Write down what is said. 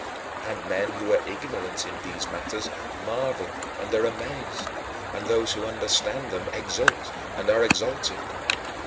And men who are ignorant in these matters marvel and are amazed; and those who understand them exult and are exalted.